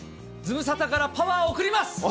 ズムサタからパワーを送ります！